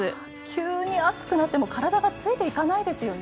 急に暑くなっても体がついていかないですよね。